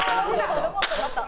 ロボットになった。